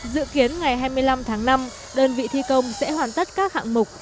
dự kiến ngày hai mươi năm tháng năm đơn vị thi công sẽ hoàn tất các hạng mục